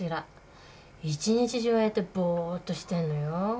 一日中ああやってぼっとしてんのよ。